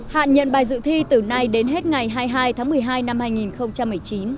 hạn nhận bài dự thi từ nay đến hết ngày hai mươi hai tháng một mươi hai năm hai nghìn một mươi chín